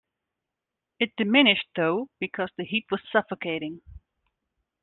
It diminished, though, because the heat was suffocating.